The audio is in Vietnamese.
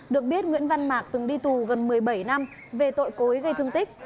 được biết nguyễn văn mạc từng đi tù gần một mươi bảy năm về tội cối gây thương tích